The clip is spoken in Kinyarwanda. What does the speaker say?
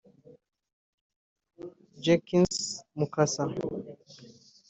Jenkins Mukasa